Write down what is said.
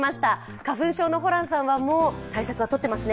花粉症のホランさんは、もう対策は取っていますね？